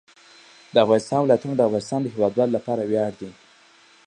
د افغانستان ولايتونه د افغانستان د هیوادوالو لپاره ویاړ دی.